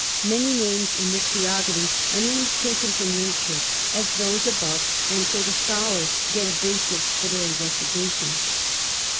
Many names in this theogony are names taken from nature, as those above, and so the scholars get a basis for their investigations.